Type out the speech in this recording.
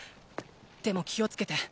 でも気をつけて。